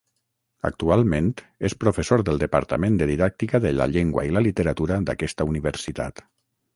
Actualment és professor del Departament de Didàctica de la Llengua i la Literatura d'aquesta universitat.